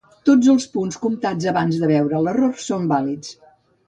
Tots els punts comptats abans de veure l'error són vàlids.